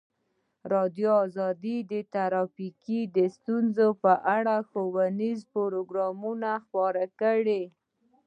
ازادي راډیو د ټرافیکي ستونزې په اړه ښوونیز پروګرامونه خپاره کړي.